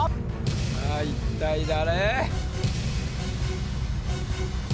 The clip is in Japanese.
さぁ一体誰？